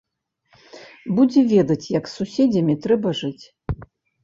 Будзе ведаць, як з суседзямі трэба жыць.